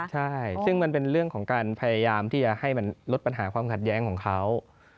ใช่ซึ่งมันเป็นเรื่องของการพยายามที่จะให้มันลดปัญหาความขัดแย้งของเขา